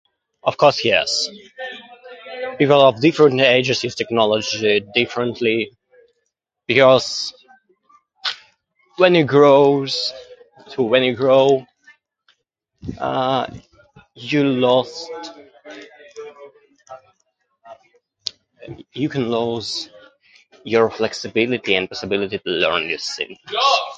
Of course, yes. People of different ages use technology differently because when you grows... to when you grow, uh, you lost... you can lose your flexibility and this ability to learn new things.